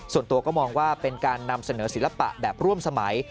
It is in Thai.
ส่วนตัวก็มองว่าเป็นการนำเสนอศิลปะแบบร่วมสมัย